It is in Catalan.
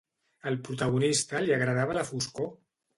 Al protagonista li agradava la foscor?